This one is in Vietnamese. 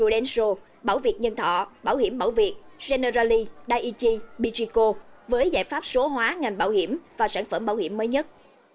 rodenso bảo việt nhân thọ bảo hiểm bảo việt generali daiichi bgco với giải pháp số hóa ngành bảo hiểm và sản phẩm bảo hiểm mới nhất